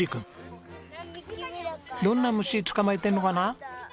どんな虫捕まえてるのかな？